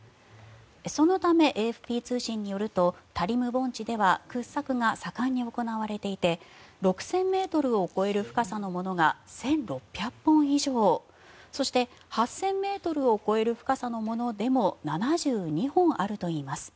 そのため、ＡＦＰ通信によるとタリム盆地では掘削が盛んに行われていて６０００ｍを超える深さのものが１６００本以上そして、８０００ｍを超える深さのものでも７２本あるといいます。